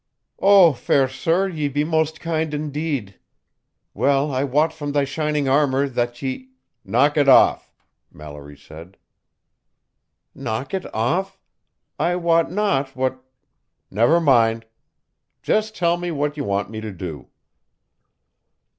"Oh, fair sir, ye be most kind indeed! Well I wot from thy shining armor that ye " "Knock it off," Mallory said. "Knock it off? I wot not what " "Never mind. Just tell me what you want me to do."